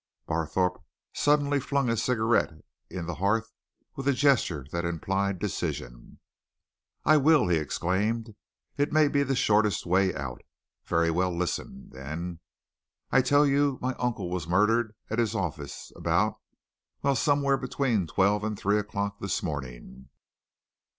Barthorpe suddenly flung his cigarette in the hearth with a gesture that implied decision. "I will!" he exclaimed. "It may be the shortest way out. Very well listen, then. I tell you my uncle was murdered at his office about well, somewhere between twelve and three o'clock this morning.